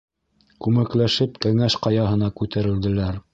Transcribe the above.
Күмәкләшеп Кәңәш Ҡаяһына күтәрелделәр.